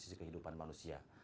sisi kehidupan manusia